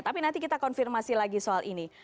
tapi nanti kita konfirmasi lagi soal ini